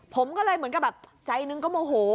ผมก็เลยเหมือนกับแบบใจหนึ่งก็โมโห